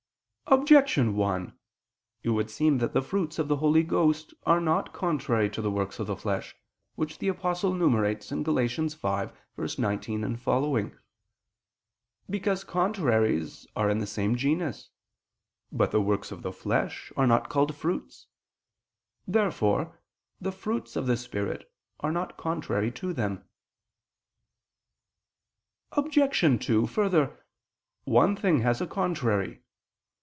Objection 1: It would seem that the fruits of the Holy Ghost are not contrary to the works of the flesh, which the Apostle enumerates (Gal. 5:19, seqq.). Because contraries are in the same genus. But the works of the flesh are not called fruits. Therefore the fruits of the Spirit are not contrary to them. Obj. 2: Further, one thing has a contrary.